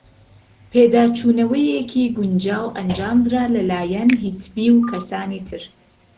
ـپێداچوونەوەیەکی گونجاو ئەنجامدرا لەلایەن هیتبی و کەسانی تر.